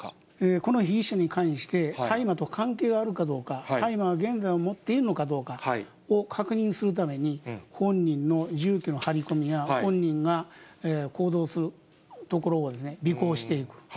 この被疑者に関して、大麻と関係があるかどうか、大麻は現在も持っているかどうかを確認するために、本人の住居の張り込みや、本人が行動するところを尾行していく。